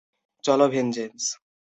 চলো, ভেনজেন্স।